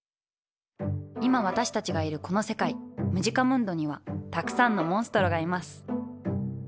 今私たちがいるこの世界ムジカムンドにはたくさんのモンストロがいます。